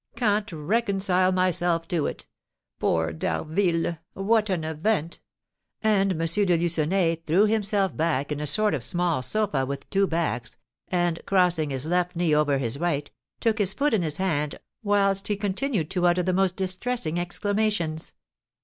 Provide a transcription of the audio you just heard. Can't reconcile myself to it. Poor D'Harville, what an event!" And M. de Lucenay threw himself back in a sort of small sofa with two backs, and, crossing his left knee over his right, took his foot in his hand, whilst he continued to utter the most distressing exclamations.